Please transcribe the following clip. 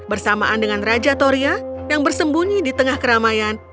bersamaan dengan raja toria yang bersembunyi di tengah keramaian